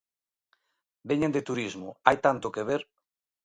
Veñan de turismo, hai tanto que ver.